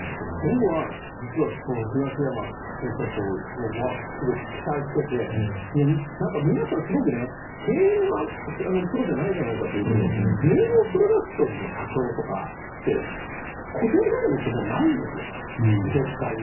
僕は、実は東山新社長はすごく期待していて皆さん、すごく経営のプロじゃないじゃないかと言うけど芸能プロダクションの社長とかって固定概念ってもうないんですよ絶対に。